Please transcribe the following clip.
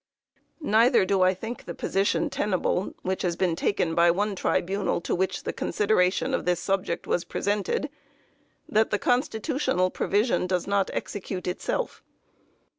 Neither do I think the position tenable which has been taken by one tribunal, to which the consideration of this subject was presented, that the constitutional provision does not execute itself.